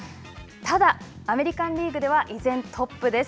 ただ、アメリカンリーグでは依然トップです。